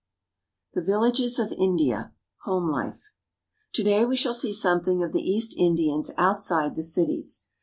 THE VILLAGES OF INDIA. HOME LIFE TO DAY we shall see something of the East Indians outside the cities.